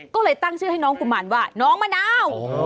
ก็เลยตั้งชื่อให้น้องกุมารว่าน้องมะนาว